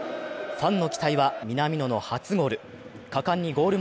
ファンの期待は南野の初ゴール。